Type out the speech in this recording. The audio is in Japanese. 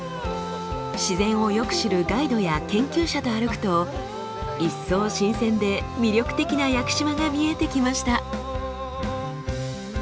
自然をよく知るガイドや研究者と歩くと一層新鮮で魅力的な屋久島が見えてきました。